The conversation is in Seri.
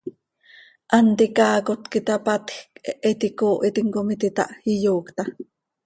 Hant icaaacot quih itapatjc, hehe iti icoohitim com iti itáh, iyoocta.